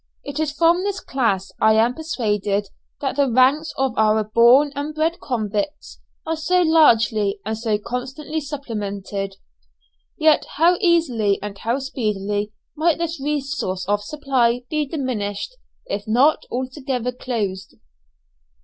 It is from this class I am persuaded that the ranks of our born and bred convicts are so largely and so constantly supplemented. Yet how easily and how speedily might this source of supply be diminished, if not altogether closed.